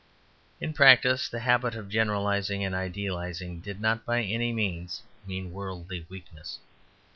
In practice, the habit of generalizing and idealizing did not by any means mean worldly weakness.